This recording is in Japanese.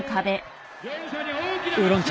ウーロン茶。